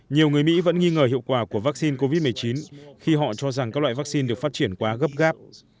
nhiều người mỹ vẫn nghi ngờ hiệu quả của vaccine covid một mươi chín khi họ cho rằng các loại vaccine được phát triển quá gấp gáp